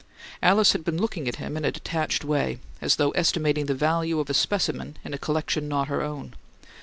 Alice had been looking at him in a detached way, as though estimating the value of a specimen in a collection not her own.